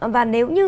và nếu như